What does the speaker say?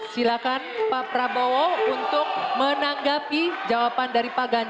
silakan pak prabowo untuk menanggapi jawaban dari pak gita